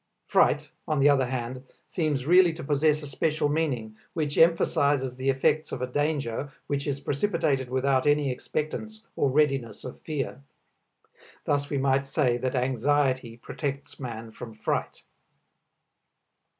Fright, on the other hand, seems really to possess a special meaning, which emphasizes the effects of a danger which is precipitated without any expectance or readiness of fear. Thus we might say that anxiety protects man from fright.